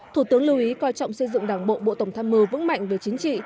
thủ tướng lưu ý coi trọng xây dựng đảng bộ bộ tổng tham mưu vững mạnh về chính trị